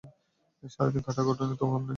সারা দিন খাটাখাটুনি তো কম নয়।